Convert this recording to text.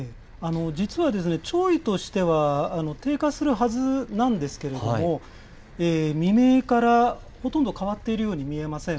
実は、潮位としては低下するはずなんですけれども、未明からほとんど変わっているように見えません。